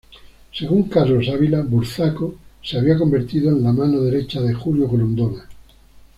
Según Carlos Ávila, Burzaco se había convertido en la mano derecha de Julio Grondona.